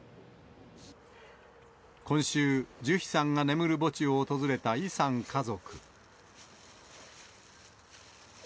今週、ジュヒさんが眠る墓地を訪れたイさん家族。